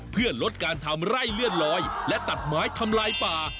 เพื่อลดการทำไร่เลื่อนลอยและตัดไม้ทำลายป่า